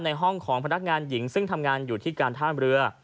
ในห้องของพนักงานหญิงซึ่งทำงานอยู่ที่การท่ามเรือ